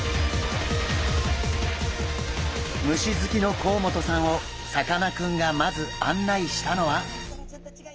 虫好きの甲本さんをさかなクンがまず案内したのは。